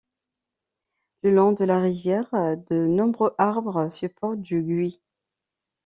Le long de la rivière, de nombreux arbres supportent du gui.